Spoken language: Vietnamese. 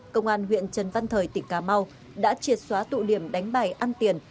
công an huyện trần văn thời tỉnh cà mau đã triệt xóa tụ điểm đánh bài ăn tiền